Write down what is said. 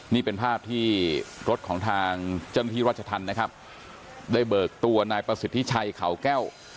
นี่เป็นภาพที่รถของทางเจ้าหน้าที่ราชธรรมนะครับได้เบิกตัวนายประสิทธิชัยเขาแก้ว